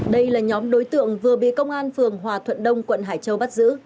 đây là nhóm đối tượng vừa bị công an phường hòa thuận đông quận hải châu bắt giữ